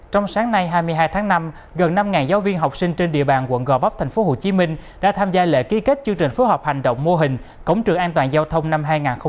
trong sáng nay hai mươi hai tháng năm gần năm giáo viên học sinh trên địa bàn quận gò vấp tp hcm đã tham gia lễ ký kết chương trình phối hợp hành động mô hình cổng trường an toàn giao thông năm hai nghìn hai mươi bốn